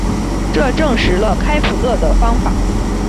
这证实了开普勒的方法。